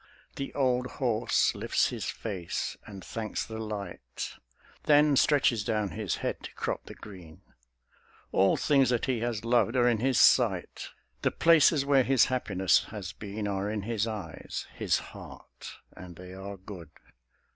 The old horse lifts his face and thanks the light, Then stretches down his head to crop the green. All things that he has loved are in his sight; The places where his happiness has been Are in his eyes, his heart, and they are good.